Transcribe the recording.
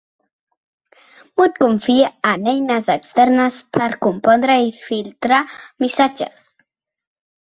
Mutt confia en eines externes per compondre i filtrar missatges.